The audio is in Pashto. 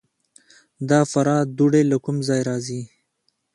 د فراه دوړې له کوم ځای راځي؟